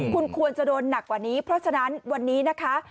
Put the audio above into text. คุณควรจะโดนหนักกว่านี้เพราะฉะนั้นวันนี้นะคะ